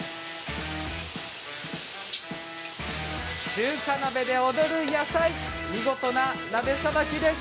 中華鍋で踊る野菜見事な鍋さばきです。